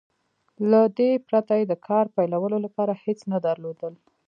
له دې پرته يې د کار پيلولو لپاره هېڅ نه درلودل.